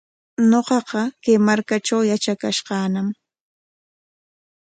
Ñuqaqa kay markatraw yatrakash kaañam.